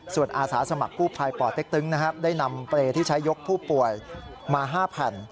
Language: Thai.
ส่วนอาสาสมัครกู้ภัยป่อเต็กตึงได้นำเปรย์ที่ใช้ยกผู้ป่วยมา๕แผ่น